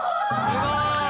すごーい！